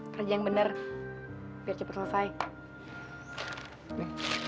kerja yang bener biar cepet selesai